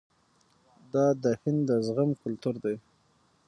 دا د هند د زغم کلتور دی.